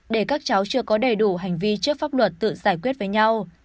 để các cháu chưa có đầy đủ hành vi trước pháp luật tự giải quyết với nhau